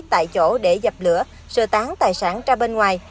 tại chỗ để dập lửa sửa tán tài sản ra bên ngoài